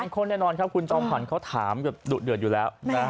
คนแน่นอนครับคุณจอมขวัญเขาถามแบบดุเดือดอยู่แล้ว